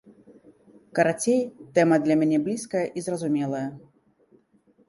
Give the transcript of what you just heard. Карацей, тэма для мяне блізкая і зразумелая.